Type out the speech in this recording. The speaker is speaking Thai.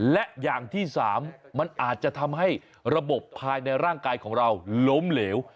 และอย่างที่๓มันอาจจะทำให้ระบบภายในร่างกายของเราล้มเหลว